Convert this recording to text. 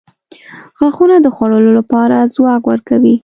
• غاښونه د خوړلو لپاره ځواک ورکوي.